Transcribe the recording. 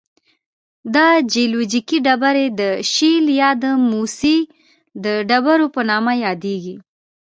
دا جیولوجیکي ډبرې د شیل یا د موسی د ډبرو په نامه یادیږي.